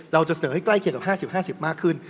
เราจะเสนอให้ใกล้เคียงกับ๕๐๕๐มากขึ้น